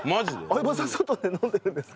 相葉さん外で飲んでるんですか？